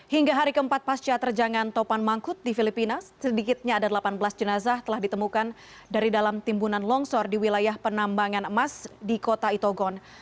hingga hari keempat pasca terjangan topan mangkut di filipina sedikitnya ada delapan belas jenazah telah ditemukan dari dalam timbunan longsor di wilayah penambangan emas di kota itogon